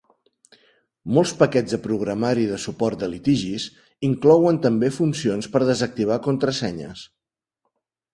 Molts paquets de programari de suport de litigis inclouen també funcions per desactivar contrasenyes.